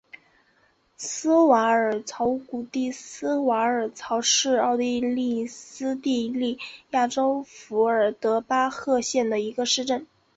施瓦尔曹谷地施瓦尔曹是奥地利施蒂利亚州费尔德巴赫县的一个市镇。